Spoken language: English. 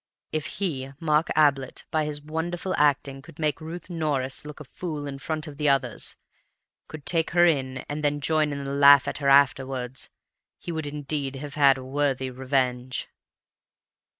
If he, Mark Ablett, by his wonderful acting could make Ruth Norris look a fool in front of the others, could take her in, and then join in the laugh at her afterwards, he would indeed have had a worthy revenge!